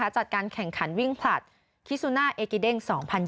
จัดการแข่งขันวิ่งผลัดคิซูน่าเอกิเด้ง๒๐๒๐